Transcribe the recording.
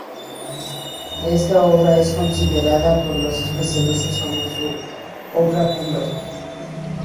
Esta obra es considerada por los especialistas como su obra cumbre.